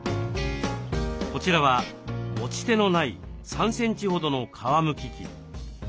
こちらは持ち手のない３センチほどの皮むき器。